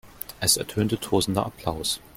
Es ertönte tosender Applaus.